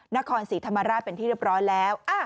นครศรีธรรมราชเป็นที่เรียบร้อยแล้ว